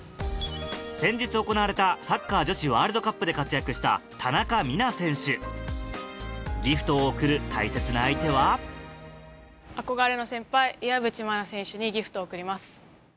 先日行われたサッカー女子ワールドカップで活躍したギフトを贈る大切な相手は憧れの先輩岩渕真奈選手にギフトを贈ります。